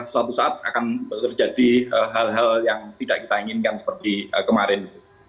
suatu saat akan terjadi hal hal yang tidak kita inginkan seperti kemarin